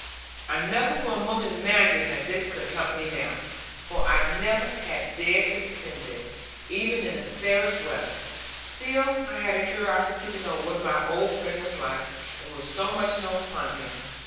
I never for a moment imagined that this could help me now; for I never had dared to descend it, even in the finest weather; still I had a curiosity to know what my old friend was like, with so much snow upon him.